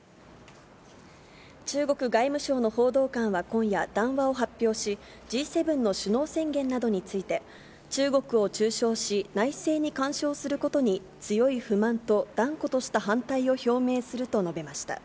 中国外務省の報道官は今夜、談話を発表し、Ｇ７の首脳宣言などについて、中国を中傷し、内政に干渉することに強い不満と断固とした反対を表明すると述べました。